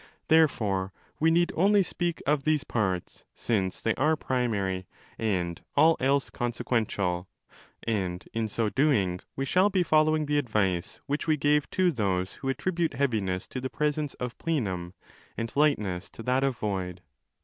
Therefore we need only speak of these parts, since they are primary and all else consequential: and in so doing we shall be 35 following the advice which we gave' to those who attribute heaviness to the presence of plenum and lightness to that of gir? void.